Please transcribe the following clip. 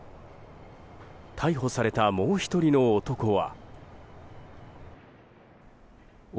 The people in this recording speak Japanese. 逮捕されたもう１人の男は。